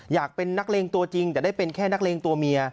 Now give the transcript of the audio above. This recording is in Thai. อยากเป็นนักเลงตัวจริงแต่ได้เป็นแค่นักเลงตัวเมีย